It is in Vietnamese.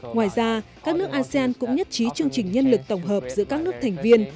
ngoài ra các nước asean cũng nhất trí chương trình nhân lực tổng hợp giữa các nước thành viên